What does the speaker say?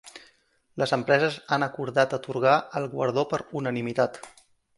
Les empreses han acordat atorgar el guardó per unanimitat